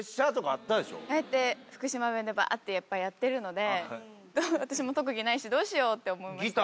ああやって福島弁でバってやっぱりやってるので私特技ないしどうしようって思いました。